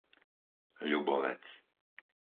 Ľubovec